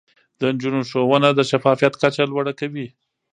د نجونو ښوونه د شفافيت کچه لوړه کوي.